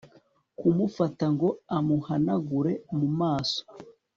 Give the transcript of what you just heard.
kumufata ngo amuhanagure mumaso